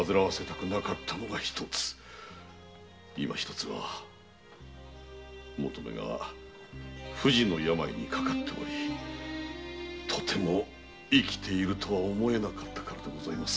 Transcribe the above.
いま一つは求馬が不治の病にかかっておりとても生きているとは思えなかったからでございます。